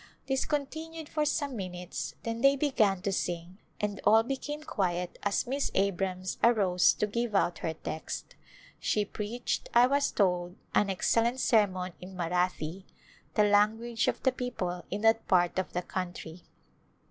This continued for some minutes then they began to sing and all became quiet as Miss Abrams arose to give out her text. She preached, I was told, an ex cellent sermon in Marathi^ the language of the people in that part of the country.